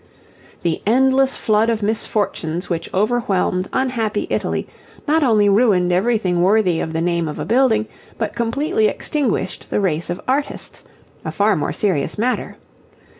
The endless flood of misfortunes which overwhelmed unhappy Italy not only ruined everything worthy of the name of a building, but completely extinguished the race of artists, a far more serious matter.